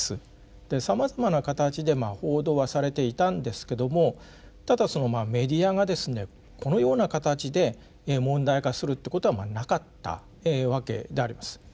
でさまざまな形で報道はされていたんですけどもただそのメディアがですねこのような形で問題化するってことはまあなかったわけであります。